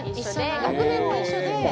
学年も一緒で。